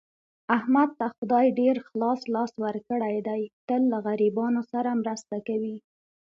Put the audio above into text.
احمد ته خدای ډېر خلاص لاس ورکړی دی، تل له غریبانو سره مرسته کوي.